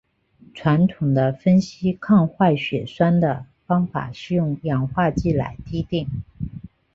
传统的分析抗坏血酸的方法是用氧化剂来滴定。